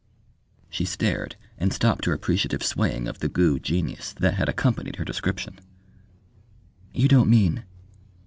She stared and stopped her appreciative swaying of the Goo genius that had accompanied her description. "You don't mean...?"